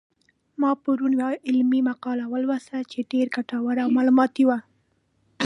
ما پرون یوه علمي مقاله ولوستله چې ډېره ګټوره او معلوماتي وه